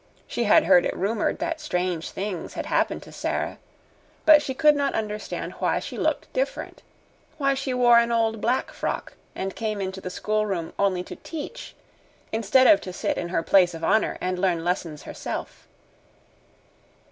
She had heard it rumored that strange things had happened to Sara, but she could not understand why she looked different why she wore an old black frock and came into the schoolroom only to teach instead of to sit in her place of honor and learn lessons herself.